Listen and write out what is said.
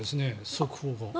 速報が。